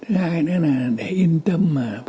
thứ hai nữa là để yên tâm